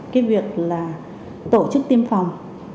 cái việc là tổ chức tiêm phòng